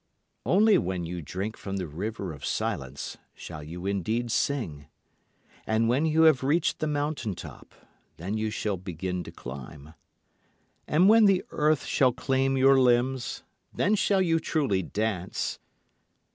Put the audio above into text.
Only when you drink from the river of silence shall you indeed sing. And when you have reached the mountain top, then you shall begin to climb. And when the earth shall claim your limbs, then shall you truly dance.